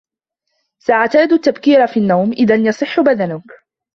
سَأَعْتَادُ التَّبْكِيرَ فِي النَّوْمِ ، إِذَنْ يَصِحَّ بَدَنُكَ.